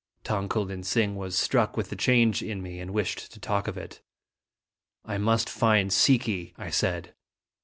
Tong ko lin sing was struck with the change in me, and wished to talk of it. "I must find Si ki," I said.